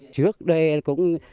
trước đây cũng